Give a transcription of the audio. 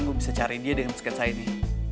gue bisa cari dia dengan sketsa ini